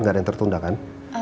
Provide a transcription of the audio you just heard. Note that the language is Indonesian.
nggak ada yang tertunda kan